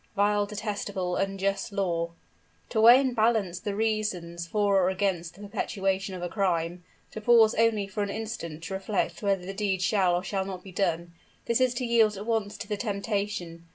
Vile, detestable, unjust law! To weigh and balance the reasons for or against the perpetration of a crime, to pause only for an instant to reflect whether the deed shall or shall not be done this is to yield at once to the temptation.